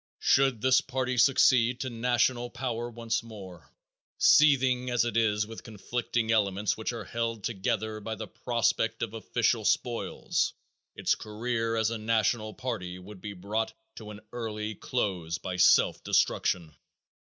Should this party succeed to national power once more, seething as it is with conflicting elements which are held together by the prospect of official spoils, its career as a national party would be brought to an early close by self destruction.